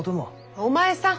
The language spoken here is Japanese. お前さん！